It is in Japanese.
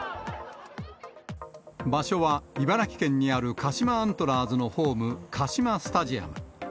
場所は茨城県にある鹿島アントラーズのホーム、カシマスタジアム。